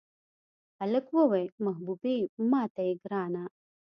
هلک ووې محبوبې ماته یې ګرانه.